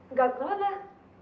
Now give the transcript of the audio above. nggak keluar lah